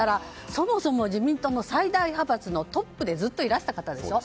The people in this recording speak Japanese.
そもそも自民党の最大派閥のトップでずっといらした方でしょ？